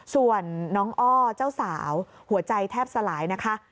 ส่วนน้องอ้อเจ้าสาวหัวใจแทบสลายนะคะ